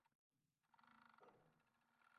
اس report کی پرتیں کھل رہی ہیں۔